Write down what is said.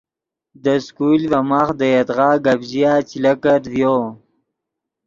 دے سکول ڤے ماخ دے یدغا گپ ژیا چے لکت ڤیو